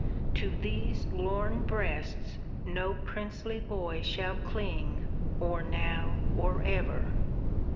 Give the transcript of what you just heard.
To these lorn breasts no princely boy shall cling Or now, or ever.